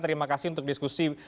terima kasih untuk diskusi